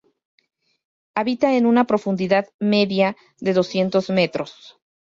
Habita en una profundidad media de doscientos metros.